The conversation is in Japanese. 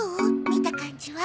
見た感じは？